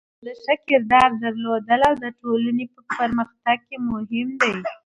د ښه کردار درلودل د ټولنې په پرمختګ کې مهم دی.